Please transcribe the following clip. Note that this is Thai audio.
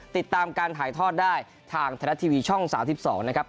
ติดตามการถ่ายทอดได้ทางไทยรัฐทีวีช่อง๓๒นะครับ